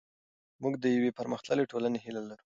موږ د یوې پرمختللې ټولنې هیله لرو.